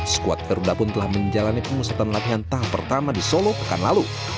squad erda pun telah menjalani pengusatan lagian tahap pertama di solo pekan lalu